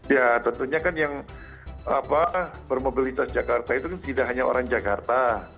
ya tentunya kan yang bermobilitas jakarta itu kan tidak hanya orang jakarta